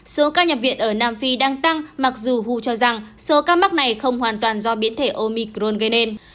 số ca nhập viện ở nam phi đang tăng mặc dù hu cho rằng số ca mắc này không hoàn toàn do biến thể omicron gây nên